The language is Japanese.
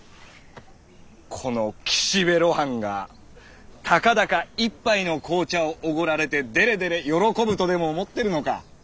この岸辺露伴がたかだか一杯の紅茶を奢られてデレデレ喜ぶとでも思ってるのかッ